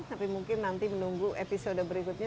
tapi mungkin nanti menunggu episode berikutnya